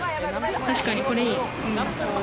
確かに、これいい！